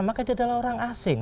maka dia adalah orang asing